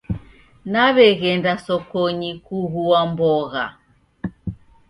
Naw'eghenda sokonyi kughua mbogha